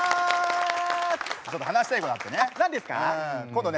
ちょっと話したいことあってね。